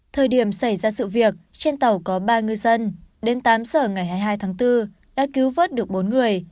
thời điểm xảy ra sự việc trên tàu có ba ngư dân đến tám giờ ngày hai mươi hai tháng bốn đã cứu vớt được bốn người